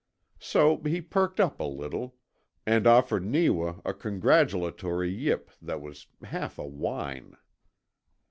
So he perked up a little, and offered Neewa a congratulatory yip that was half a whine.